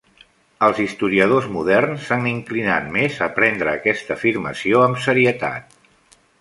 Els historiadors moderns s'han inclinat més a prendre aquesta afirmació amb serietat.